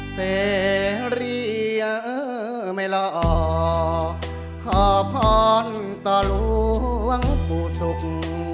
เสรีไม่หล่อขอพรต่อหลวงปู่ศุกร์